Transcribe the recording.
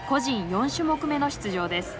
４種目目の出場です。